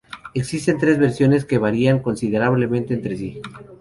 Existen tres versiones que varían considerablemente entre sí.